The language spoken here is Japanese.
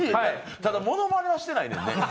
ただ、ものまねはしてないねんね。